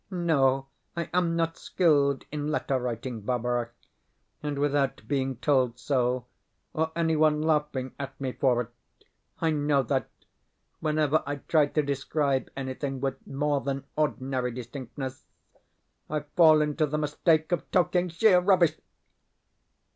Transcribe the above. No, I am not skilled in letter writing, Barbara, and, without being told so, or any one laughing at me for it, I know that, whenever I try to describe anything with more than ordinary distinctness, I fall into the mistake of talking sheer rubbish....